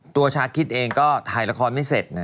ชาคิดเองก็ถ่ายละครไม่เสร็จ